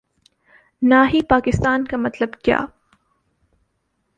نا ہی پاکستان کا مطلب کیا